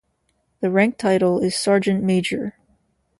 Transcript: The rank title is sergeant major.